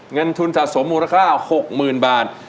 เงินทุนสะสมมูลค่า๖๐๐๐บาท